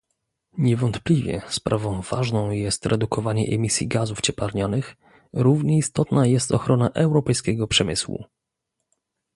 Niewątpliwie sprawą ważną jest redukowanie emisji gazów cieplarnianych, równie istotna jest ochrona europejskiego przemysłu